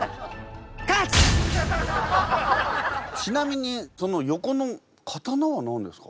ちなみにその横の刀は何ですか？